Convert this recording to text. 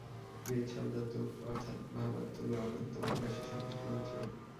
বেদ শব্দাত্মক অর্থাৎ ভাবাত্মক বা অনন্ত ভাবরাশির সমষ্টি মাত্র।